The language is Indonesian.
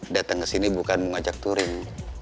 dateng kesini bukan mau ngajak touring